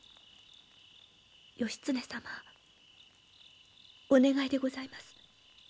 義経様お願いでございます。